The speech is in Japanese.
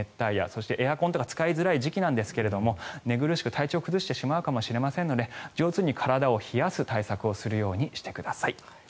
そして、エアコンとか使いづらい時期なんですが寝苦しく、体調を崩してしまうかもしれませんので上手に体を冷やす対策をするようにしてください。